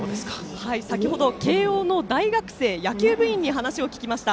先程、慶応の大学生野球部員に話を聞きました。